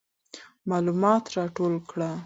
معلومات راټول کړه.